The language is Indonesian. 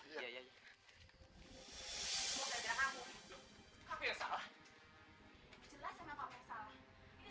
ya ya ya ya hai semua gara gara kamu tapi salah jelas sama papan salah ini